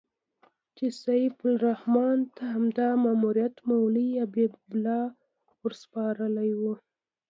چې سیف الرحمن ته همدا ماموریت مولوي عبیدالله ورسپارلی و.